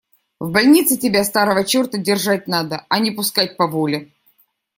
В больнице тебя, старого черта, держать надо, а не пускать по воле.